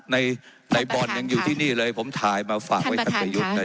ในในบอลยังอยู่ที่นี่เลยผมถ่ายมาฝากไว้ท่านประยุทธ์เลย